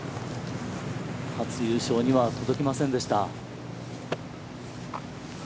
初優勝には届きませんでした。